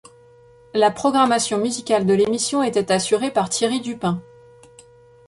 La programmation musicale de l'émission était assurée par Thierry Dupin.